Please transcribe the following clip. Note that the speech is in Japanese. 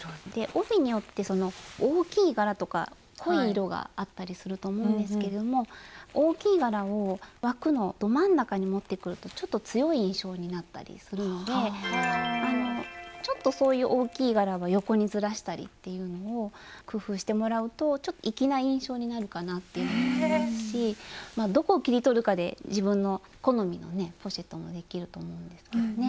帯によって大きい柄とか濃い色があったりすると思うんですけれども大きい柄を枠のど真ん中に持ってくるとちょっと強い印象になったりするのでちょっとそういう大きい柄は横にずらしたりっていうのを工夫してもらうと粋な印象になるかなっていうのもありますしどこを切り取るかで自分の好みのねポシェットもできると思うんですけどね。